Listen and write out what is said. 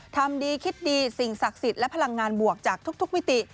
ทำดีคิดดีสิ่งศักดิ์สิทธิ์และพลังงานบวกจากทุกมิติ